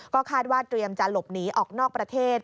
ก็คาดว่าเตรียมจะหลบหนีออกนอกประเทศ